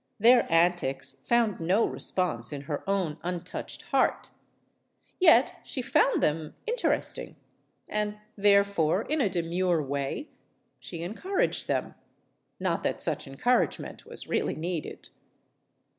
Their antics found no response in her own untouched heart. Yet she found them in MADAME RECAMIER 235 teresting, and therefore in a demure way she en couraged them. Not that such encouragement was really needed.